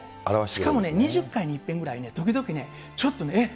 しかもね、２０回にいっぺんぐらいね、時々ね、ちょっとね、えっ？